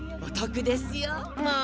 お得ですよ。